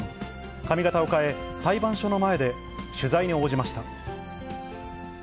髪形を変え、裁判所の前で、取材に応じました。